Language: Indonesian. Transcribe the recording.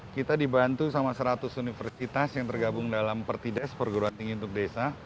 kita dibantu sama seratus universitas yang tergabung dalam pertides perguruan tinggi untuk desa